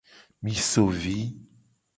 Mi so vi.